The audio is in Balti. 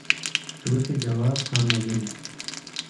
”سُو سی جواب کھوانگ مہ مِنس